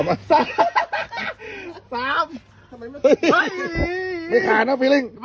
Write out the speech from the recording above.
ไม่ขาดหรอก